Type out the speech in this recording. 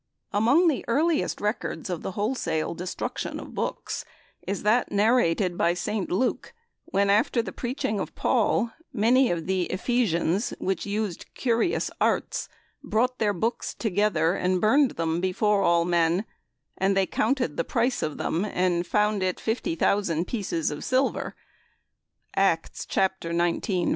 Among the earliest records of the wholesale destruction of Books is that narrated by St. Luke, when, after the preaching of Paul, many of the Ephesians "which used curious arts brought their books together, and burned them before all men: and they counted the price of them, and found it 50,000 pieces of silver" (Acts xix, 19).